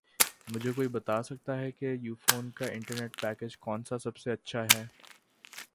مجھے کوئی بتا سکتا ہے کہ یوفون کا انٹرنیٹ پیکج کون سا سب سے اچھا ہے